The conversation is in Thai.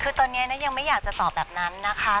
คือตอนนี้นะยังไม่อยากจะตอบแบบนั้นนะคะ